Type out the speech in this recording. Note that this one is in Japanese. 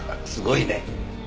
すごいね。